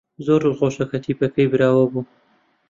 زۆر دڵخۆشە کە تیپەکەی براوە بوو.